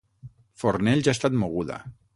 Fornells ha estat moguda.